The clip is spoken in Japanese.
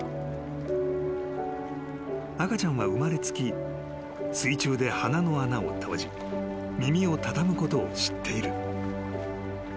［赤ちゃんは生まれつき水中で鼻の穴を閉じ耳を畳むことを知っている］